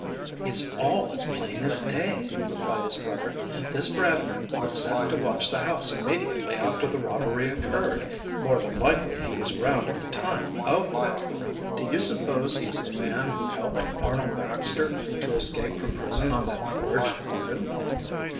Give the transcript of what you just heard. "It's all as plain as day," replied his brother. "This Bradner was set to watch the house immediately after the robbery occurred. More than likely he was around at the time of the robbery." "Do you suppose he is the man who helped Arnold Baxter to escape from prison on that forged pardon?"